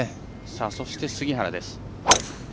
そして杉原です。